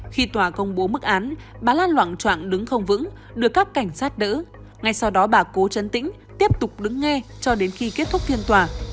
khi tòa công bố mức án bà lan loạn trạng đứng không vững được các cảnh sát đỡ ngay sau đó bà cố chấn tĩnh tiếp tục đứng nghe cho đến khi kết thúc phiên tòa